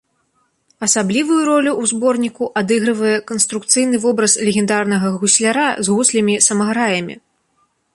Асаблівую ролю ў зборніку адыгрывае канструкцыйны вобраз легендарнага гусляра з гуслямі-самаграямі.